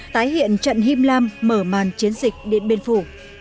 tái hiện trận him lam mở màn chiến dịch điện biên phủ